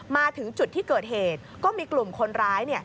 มาถึงจุดที่เกิดเหตุก็มีกลุ่มคนร้าย